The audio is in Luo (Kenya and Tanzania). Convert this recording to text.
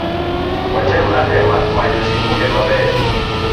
Watem atema manyo sikunde mabeyo